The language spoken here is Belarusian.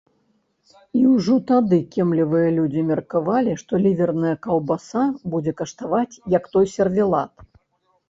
І ўжо тады кемлівыя людзі меркавалі, што ліверная каўбаса будзе каштаваць як той сервелат.